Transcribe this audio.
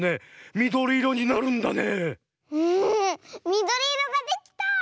みどりいろができた！